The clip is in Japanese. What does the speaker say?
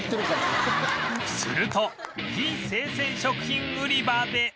すると非生鮮食品売り場で